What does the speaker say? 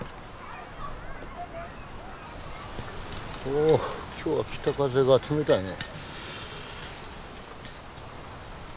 お今日は北風がつめたいね。